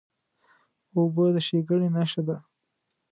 اوبه د ښېګڼې نښه ده.